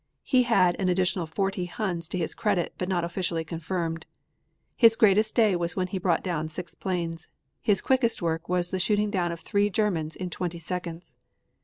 He had an additional forty Huns to his credit but not officially confirmed. His greatest day was when he brought down six planes. His quickest work was the shooting down of three Germans in twenty seconds.